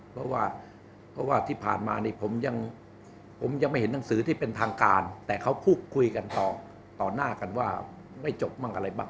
เพราะว่าเพราะว่าที่ผ่านมานี่ผมยังผมยังไม่เห็นหนังสือที่เป็นทางการแต่เขาพูดคุยกันต่อต่อหน้ากันว่าไม่จบบ้างอะไรบ้าง